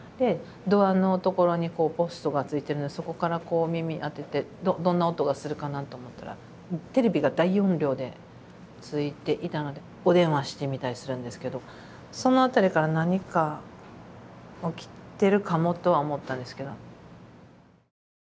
ドアのところにポストがついてるのでそこからこう耳当ててどんな音がするかなと思ったらテレビが大音量でついていたのでお電話してみたりするんですけどそのあたりから何か起きてるかもとは思ったんですけど。